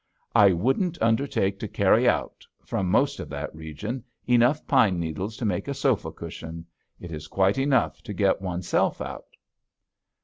I wouldn't undertake to carry out, from most of that region, enough pine needles to make a sofa cushion. It is quite enough to get oneself out.